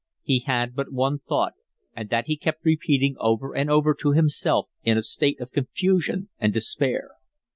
He had but one thought, and that he kept repeating over and over to himself in a state of confusion and despair.